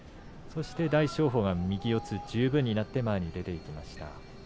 大翔鵬が右四つ十分になって前に出ていきました。